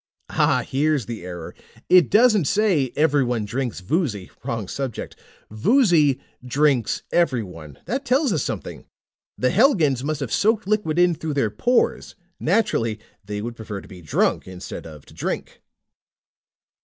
"Ah, here's the error. It doesn't say 'Everyone drinks Voozy.' Wrong subject. 'Voozy drinks everyone.' That tells us something! The Helgans must have soaked liquid in through their pores. Naturally, they would prefer to be drunk, instead of to drink."